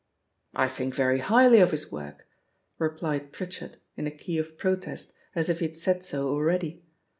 "I think very highly of his work," replied Pritchard, in a key of protest, as if he had said so already.